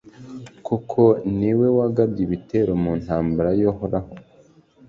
koko, ni we wagabye ibitero mu ntambara y'uhoraho